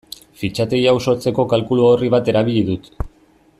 Fitxategi hau sortzeko kalkulu-orri bat erabili dut.